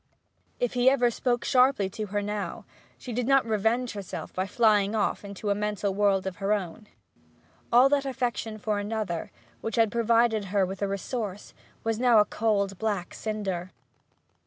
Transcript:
If he ever spoke sharply to her now, she did not revenge herself by flying off to a mental world of her own; all that affection for another, which had provided her with a resource, was now a cold black cinder.